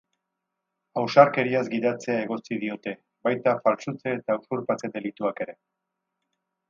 Ausarkeriaz gidatzea egotzi diote, baita faltsutze eta usurpatze delituak ere.